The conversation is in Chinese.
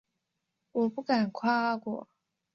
我不敢跨过